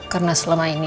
karena selama ini